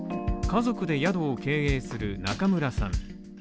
家族で宿を経営する中村さん。